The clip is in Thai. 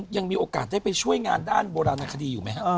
ยังมีโอกาสได้ไปช่วยงานด้านโบราณคดีอยู่ไหมครับ